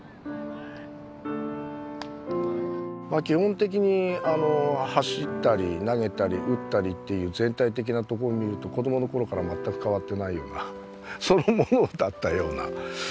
基本的に走ったり投げたり打ったりっていう全体的なところを見ると子どもの頃から全く変わってないようなそのものだったような。